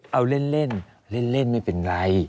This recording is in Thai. เอาเล่นเล่นไม่เป็นไร